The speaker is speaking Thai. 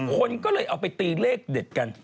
คนก็เลยเอาไปตีเลขเด็ดกัน